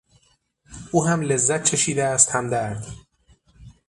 او هم لذت چشیده است هم درد.